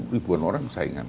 ribuan orang saingan